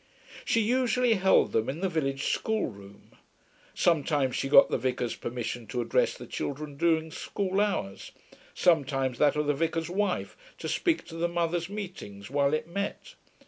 She usually held them in the village schoolroom. Sometimes she got the vicar's permission to address the children during school hours, sometimes that of the vicar's wife to speak to the Mothers' Meeting while it met.